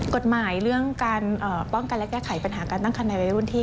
กฎหมายเรื่องการป้องกันและแก้ไขปัญหาการตั้งคันในวัยรุ่นที่